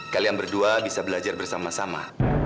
kalian berdua bisa belajar bersama sama